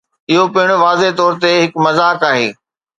اهو پڻ واضح طور تي هڪ مذاق آهي.